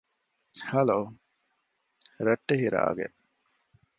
ހަލޯ! ރައްޓެހި ރާގެއް